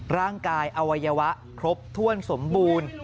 ร่างกายอวัยวะครบถ้วนสมบูรณ์